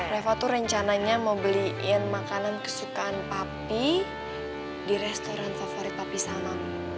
reva tuh rencananya mau beliin makanan kesukaan papi di restoran favorit papi sana